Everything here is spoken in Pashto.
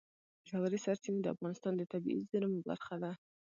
ژورې سرچینې د افغانستان د طبیعي زیرمو برخه ده.